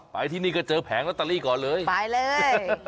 ไปที่นี่ก็เจอแผงละตัลิก่อนเลยไปเลย